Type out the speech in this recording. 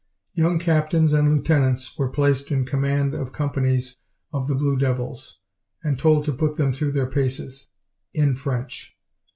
Young captains and lieutenants were placed in command of companies of the Blue Devils, and told to put them through their paces in French.